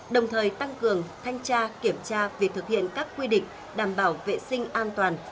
đồng thời tăng cường thanh tra kiểm tra việc thực hiện các quy định đảm bảo vệ sinh an toàn